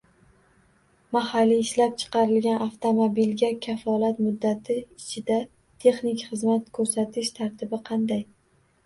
Mahalliy ishlab chiqarilgan avtomobilga kafolat muddati ichida texnik xizmat ko‘rsatish tartibi qanday?